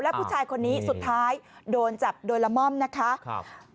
ผู้ชายคนนี้สุดท้ายโดนจับโดยละม่อมนะคะครับ